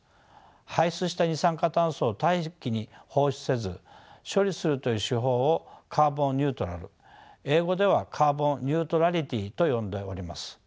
排出した二酸化炭素を大気に放出せず処理するという手法をカーボン・ニュートラル英語ではカーボン・ニュートラリティと呼んでおります。